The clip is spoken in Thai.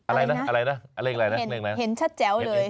อะไรน่ะอะไรละเห็นชัดแจ๋วเลย